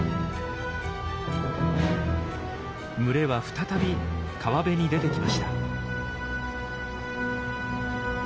群れは再び川辺に出てきました。